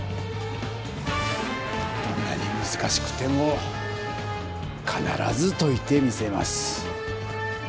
どんなにむずかしくてもかならずといてみせます！